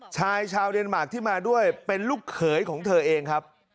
ชายชาวเดนมาร์คที่มาด้วยเป็นลูกเขยของเธอเองครับ